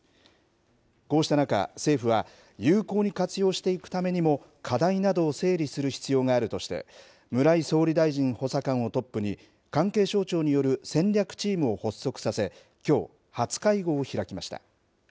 こうした中、政府は有効に活用していくためにも、課題などを整理する必要があるとして、村井総理大臣補佐官をトップに、関係省庁による戦略チームを発足させ、きょう、初会合を開きました。